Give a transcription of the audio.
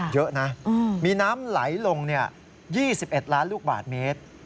เยอะนะมีน้ำไหลลง๒๑ล้านลูกบาทเมตร